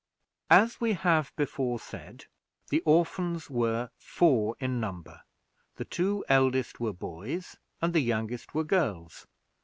As we have before said, the orphans were four in number; the two eldest were boys, and the youngest were girls.